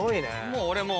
もう俺も。